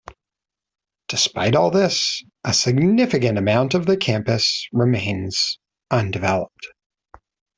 Despite all this, a significant amount of the campus remains undeveloped.